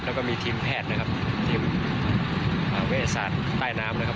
แล้วก็มีทีมแพทย์นะครับทีมเวชศาสตร์ใต้น้ำนะครับ